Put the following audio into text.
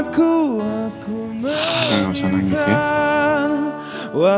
gak usah nangis ya